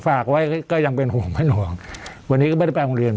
ฝากไว้ก็ยังเป็นห่วงเป็นห่วงวันนี้ก็ไม่ได้ไปโรงเรียน